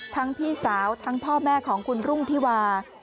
พี่สาวทั้งพ่อแม่ของคุณรุ่งที่วา